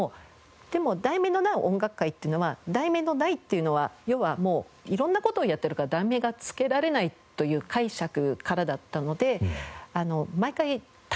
でも『題名のない音楽会』っていうのは「題名のない」っていうのは要はもう色んな事をやってるから題名がつけられないという解釈からだったので毎回タイトルを。